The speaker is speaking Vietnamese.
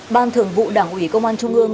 ban thường vụ đảng ủy công an trung ương